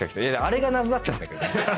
あれが謎だったんだけど。